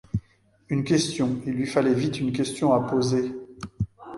Une question, il lui fallait vite une question à poser.